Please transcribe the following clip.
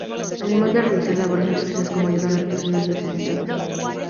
Además de realizar labores altruistas como ayuda a las personas necesitadas.